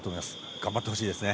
頑張ってほしいですね。